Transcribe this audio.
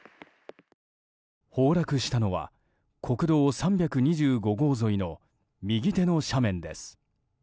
崩落したのは国道３２５号沿いの右手の斜面です。